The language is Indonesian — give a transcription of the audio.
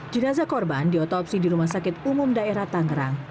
jenazah korban diotopsi di rumah sakit umum daerah tangerang